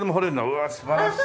うわ素晴らしい！